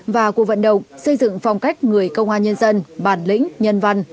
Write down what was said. và cuộc vận động xây dựng phong cách người công an nhân dân bản lĩnh nhân văn